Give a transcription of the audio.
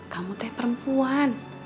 kamu teh perempuan